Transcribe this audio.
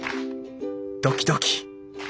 ドキドキ！